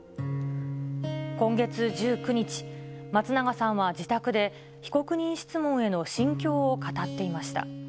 今月１９日、松永さんは自宅で被告人質問への心境を語っていました。